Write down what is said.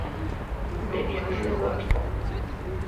De estilo gótico.